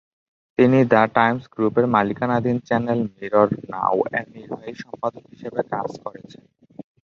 তিনি the Times গ্রুপের মালিকানাধীন চ্যানেল মিরর নাউ-এর নির্বাহী সম্পাদক হিসাবে কাজ করেছেন।